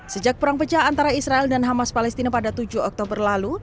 sejak perang pecah antara israel dan hamas palestina pada tujuh oktober lalu